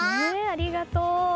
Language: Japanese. ありがとう。